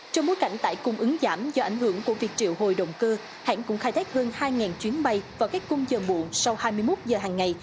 trong bối cảnh tải cung ứng giảm do ảnh hưởng của việc triệu hồi động cơ hãng cũng khai thác hơn hai chuyến bay vào các cung giờ muộn sau hai mươi một giờ hàng ngày